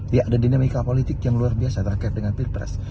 tidak ada dinamika politik yang luar biasa terkait dengan pilpres